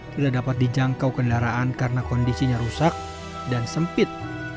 tidak dapat dijangkau kendaraan karena kondisinya rusak dan sempit